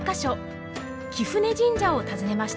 貴布神社を訪ねました。